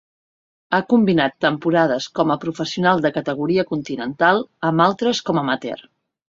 Ha combinat temporades com a professional de categoria continental, amb altres com amateur.